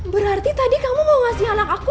berarti tadi kamu mau ngasih anak aku